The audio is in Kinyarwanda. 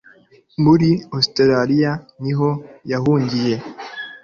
muri Australia niho yahungiye